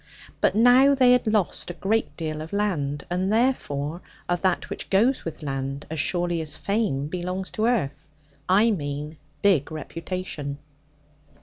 But now they had lost a great deal of land, and therefore of that which goes with land, as surely as fame belongs to earth I mean big reputation.